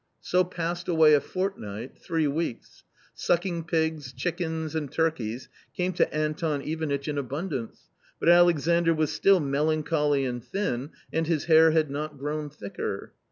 So passed away a fortnight, three weeks. Sucking pigs, chickens, and turkeys came to Anton Ivanitch in abundance, but Alex andr was still melancholy and thin, and his hair had not grown thicker.